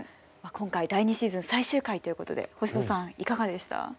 今回第２シーズン最終回ということで星野さんいかがでした？